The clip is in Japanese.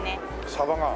サバが。